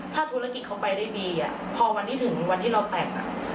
ถ้าธุรกิจเขาไปได้ดีพอวันที่ถึงวันที่เราแต่ง